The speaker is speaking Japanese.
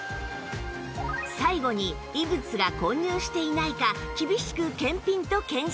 最後に異物が混入していないか厳しく検品と検針